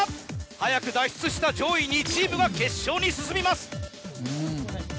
早く脱出した上位２チームが決勝に進みます。